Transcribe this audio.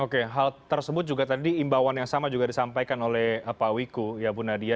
oke hal tersebut juga tadi imbauan yang sama juga disampaikan oleh pak wiku yabunadia